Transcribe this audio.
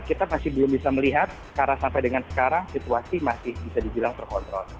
kita masih belum bisa melihat karena sampai dengan sekarang situasi masih bisa dibilang terkontrol